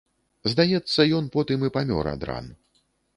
Здаецца, ён потым і памёр ад ран.